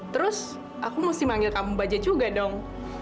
terus aku mesti manggil kamu bajaj juga dong